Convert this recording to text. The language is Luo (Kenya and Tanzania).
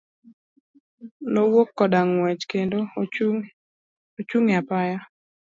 Nowuok koda ng'uech kendo ochung' e apaya.